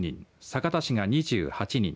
酒田市が２８人